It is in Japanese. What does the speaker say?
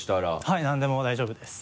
はい何でも大丈夫です。